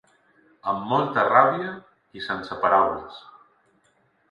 Amb molta ràbia i sense paraules.